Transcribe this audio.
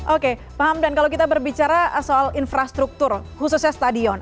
oke pak hamdan kalau kita berbicara soal infrastruktur khususnya stadion